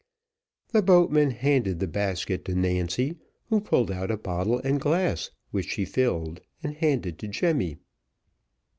The boatman handed the basket to Nancy, who pulled out a bottle and glass, which she filled, and handed to Jemmy.